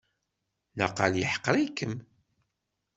Naqal yeḥqer-ikem.